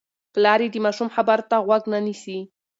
پلار یې د ماشوم خبرو ته غوږ نه نیسي.